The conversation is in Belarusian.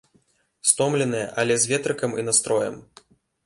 Стомленыя, але з ветрыкам і настроем!